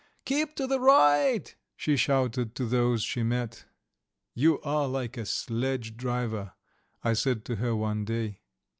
"Keep to the right!" she shouted to those she met. "You are like a sledge driver," I said to her one day.